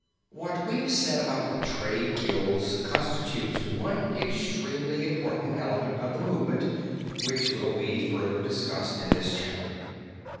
What we have said about the trade guilds constitutes one extremely important element of the movement which will be further discussed in this chapter.